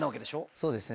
そうですね。